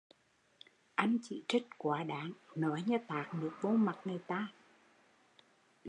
Anh chỉ trích quá đáng, nói như tát nước vô mặt người ta